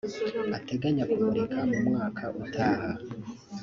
ateganya kumurika mu mwaka utaha